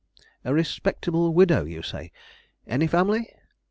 "A respectable widow, you say. Any family?"